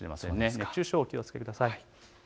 熱中症にお気をつけください。